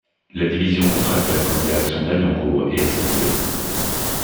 La division contre-attaque en direction d'Ayencourt et Assainvillers.